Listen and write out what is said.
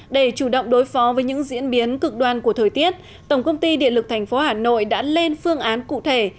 để chủ động đối phó với những diễn biến cực đoan của thời tiết tổng công ty điện lực tp hà nội đã lên phương án cụ thể